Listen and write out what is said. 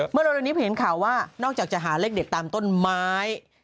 เมื่อเราระนิบเห็นข่าวว่านอกจากจะหาเลขเด็ดตามต้นไม้